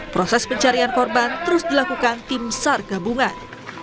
proses pencarian korban terus dilakukan tim sar gabungan